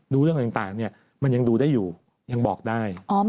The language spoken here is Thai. เรื่องต่างมันยังดูได้อยู่ยังบอกได้